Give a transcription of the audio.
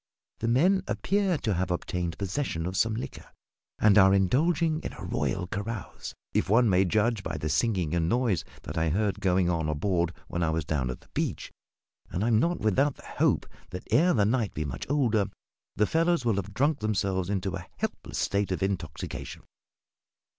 The men appear to have obtained possession of some liquor, and are indulging in a royal carouse if one may judge by the singing and noise that I heard going on aboard when I was down at the beach and I am not without the hope that ere the night be much older the fellows will have drunk themselves into a helpless state of intoxication.